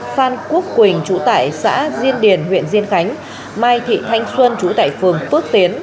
phan quốc quỳnh chú tại xã diên điền huyện diên khánh mai thị thanh xuân trú tại phường phước tiến